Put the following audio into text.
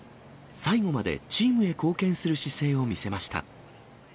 最後までチームへ貢献する姿勢を見せました。